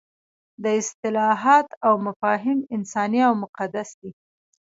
دا اصطلاحات او مفاهیم انساني او مقدس دي.